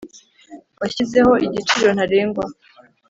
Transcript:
washyizeho igiciro ntarengwa